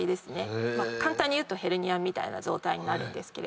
簡単に言うとヘルニアみたいな状態になるんですけれど。